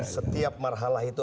setiap marhalah itu